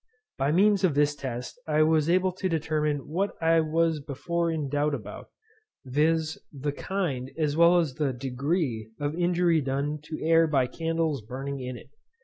By means of this test I was able to determine what I was before in doubt about, viz. the kind as well as the degree of injury done to air by candles burning in it.